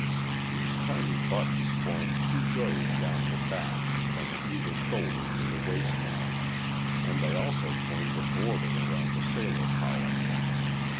These tiny buttons formed two rows down her back, from either shoulder to the waist line, and they also formed a border round the sailor collar.